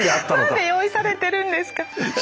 何で用意されてるんですか。